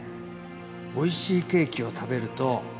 おいしいケーキを食べると